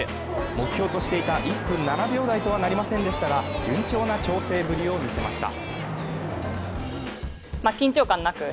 目標としていた１分７秒台とはなりませんでしたが、順調な調整ぶりを見せました。